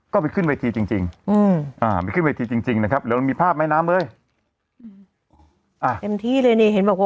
ก็ไปขึ้นเวทีจริงดูแลเยอะมาก